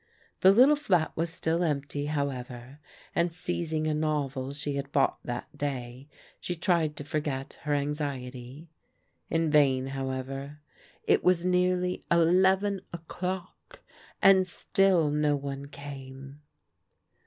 The little flat was still empty, however, and seizing a novel she had bought that day, she tried to forget her anxiety. In vain, however. It was nearly eleven o'clock, and still no one came.